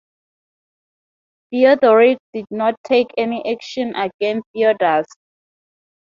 Theodoric did not take any action against Theudis.